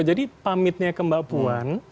jadi pamitnya ke mbak puan